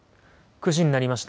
９時になりました。